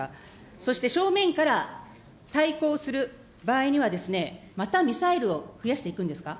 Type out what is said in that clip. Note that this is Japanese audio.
そして、正面から対抗する場合には、またミサイルを増やしていくんですか。